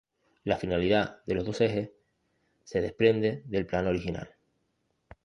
La finalidad de los dos ejes se desprende del plano original.